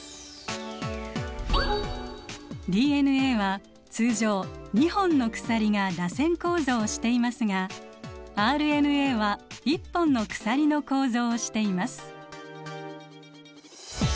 ＤＮＡは通常２本の鎖がらせん構造をしていますがＲＮＡは１本の鎖の構造をしています。